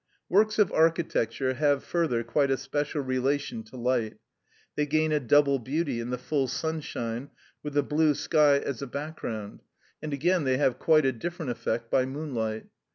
Works of architecture have further quite a special relation to light; they gain a double beauty in the full sunshine, with the blue sky as a background, and again they have quite a different effect by moonlight.